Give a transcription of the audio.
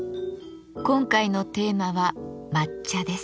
今回のテーマは「抹茶」です。